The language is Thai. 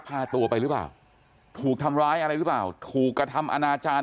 พาตัวไปหรือเปล่าถูกทำร้ายอะไรหรือเปล่าถูกกระทำอนาจารย์